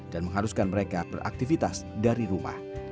dan mengharuskan mereka beraktivitas dari rumah